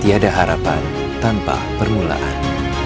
tidak ada harapan tanpa permulaan